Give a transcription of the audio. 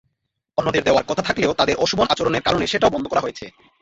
অন্যদের দেওয়ার কথা থাকলেও তাঁদের অশোভন আচরণের কারণে সেটাও বন্ধ করা হয়েছে।